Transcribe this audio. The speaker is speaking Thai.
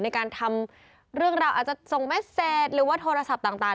ในการทำเรื่องราวอาจจะส่งเมสเซจหรือว่าโทรศัพท์ต่าง